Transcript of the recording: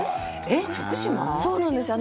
そうなんです。